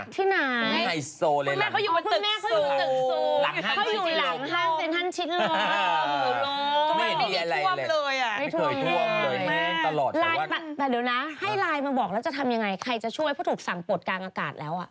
แต่เดี๋ยวนะให้ไลน์มาบอกแล้วจะทำยังไงใครจะช่วยเพราะถูกสั่งปวดกลางอากาศแล้ว